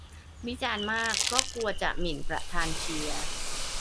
วิจารณ์มากก็กลัวจะหมิ่นประธานเชียร์